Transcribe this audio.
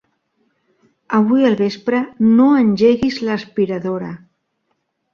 Avui al vespre no engeguis l'aspiradora.